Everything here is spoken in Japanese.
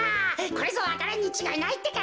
これぞわか蘭にちがいないってか。